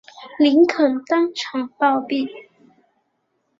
林肯当场暴毙。